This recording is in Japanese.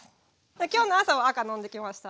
今日の朝は赤飲んできました。